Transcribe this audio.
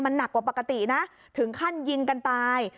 หนักกว่าปกตินะถึงขั้นยิงกันตาย